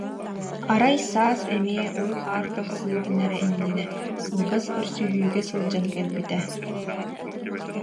Арай саас эмиэ уу-хаар тахсыытын эрэ иннинэ кылгас көрсүһүүгэ сылдьан кэлбитэ